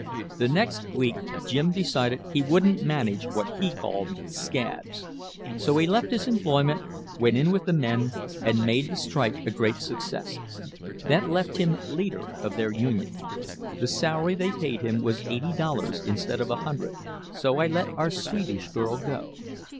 The next week Jim decided he wouldn't manage what he called 'scabs.' So he left his employment, went in with the men and made the strike a great success. That left him leader of their union. The salary they paid him was eighty dollars instead of a hundred so I let our Swedish girl go.